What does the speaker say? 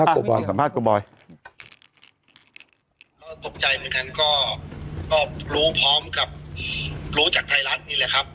คนพ่อรู้พร้อมลูกจากไทยลักษณะเบียบ